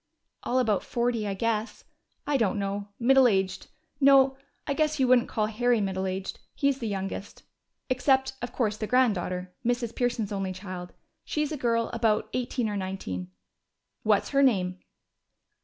"All about forty, I guess. I don't know. Middle aged no, I guess you wouldn't call Harry middle aged. He's the youngest. Except, of course, the granddaughter Mrs. Pearson's only child. She's a girl about eighteen or nineteen." "What's her name?"